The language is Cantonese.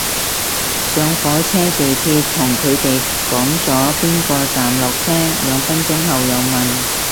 上火車地鐵同佢哋講咗邊個站落車，兩分鐘後又問